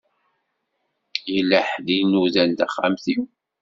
Yella ḥedd i inudan taxxamt-iw.